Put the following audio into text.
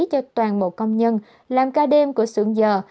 cho toàn bộ công nhân làm ca đêm của sưởng dờ